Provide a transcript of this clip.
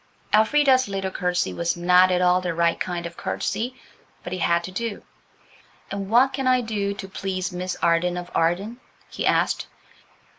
Elfrida's little curtsey was not at all the right kind of curtsey, but it had to do. "And what can I do to please Miss Arden of Arden?" he asked.